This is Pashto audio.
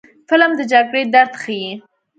فلم د جګړې درد ښيي